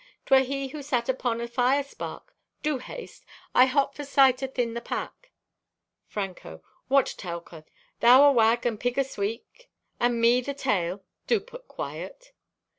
'Twere he who sat upon a fire spark. Do haste! I hot for sight athin the pack." (Franco) "What, Telka, thou awag and pig asqueak, and me the tail! Do put quiet!